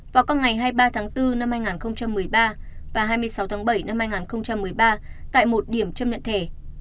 vào các ngày hai mươi ba tháng bốn năm hai nghìn một mươi ba và hai mươi sáu tháng bảy năm hai nghìn một mươi ba tại một điểm chấp nhận thẻ